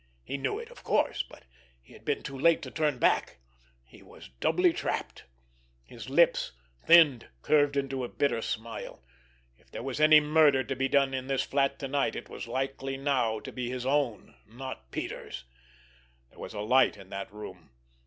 He knew it, of course! But it had been too late to turn back. He was doubly trapped! His lips, thinned, curved in a bitter smile. If there was any murder to be done here in this flat to night, it was likely now to be his own—not Peters'! _There was a light in that room!